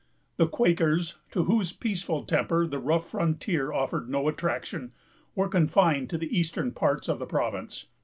The Quakers, to whose peaceful temper the rough frontier offered no attraction, were confined to the eastern parts of the province.